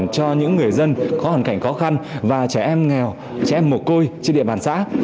cho những người dân có hoàn cảnh khó khăn và trẻ em nghèo trẻ mồ côi trên địa bàn xã